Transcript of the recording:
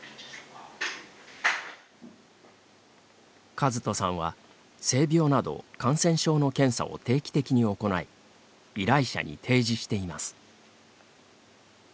和人さんは性病など感染症の検査を定期的に行い依頼者に提示しています。